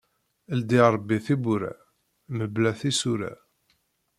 Ileddi Ṛebbi tibbura, mebla tisura.